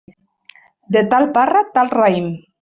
De tal parra, tal raïm.